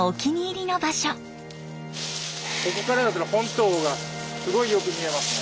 ここからだと本島がすごいよく見えますね。